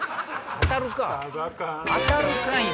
当たるかいな！